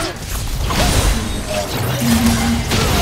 Zedɣeɣ deg yiwen n usensu.